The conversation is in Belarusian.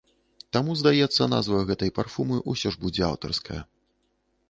Таму, здаецца, назва гэтай парфумы ўсё ж будзе аўтарская.